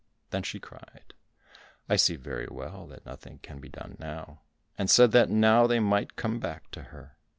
Then she cried, "I see very well that nothing can be done now," and said that now they might come back to her.